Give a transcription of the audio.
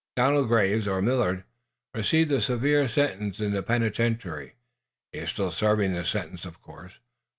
Donald Graves Millard received a severe sentence in the penitentiary. He is still serving the sentence, of course.